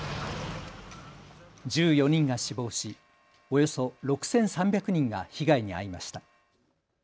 １４人が死亡し、およそ６３００人が被害に遭いました。